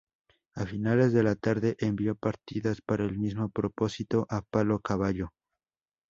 A finales de la tarde, envió partidas para el mismo propósito a Palo Caballo.